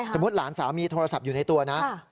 หลานสาวมีโทรศัพท์อยู่ในตัวนะ